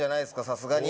さすがに。